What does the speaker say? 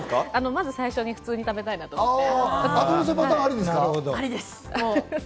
まず最初に普通に食べたいなと思って。